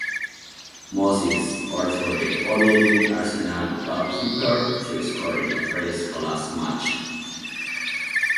Moss is also the only Arsenal goalkeeper to score in a first-class match.